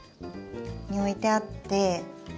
に置いてあって。